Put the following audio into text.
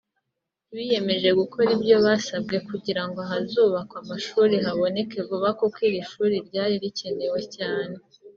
biyemeje gukora ibyo basabwe kugirango ahazubakwa amashuri haboneke vuba kuko iri shuri ryari rikenewe cyane